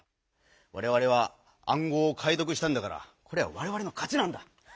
われわれはあんごうをかいどくしたんだからこれはわれわれのかちなんだ！